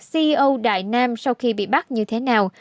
ceo đại nam sau khi bị bắt như thế nào